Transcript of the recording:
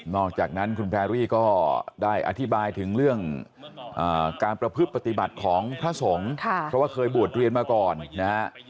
อกจากนั้นคุณแพรรี่ก็ได้อธิบายถึงเรื่องการประพฤติปฏิบัติของพระสงฆ์เพราะว่าเคยบวชเรียนมาก่อนนะฮะ